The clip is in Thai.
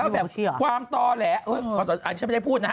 แบบความต่อแหละฉันไม่ได้พูดนะฮะ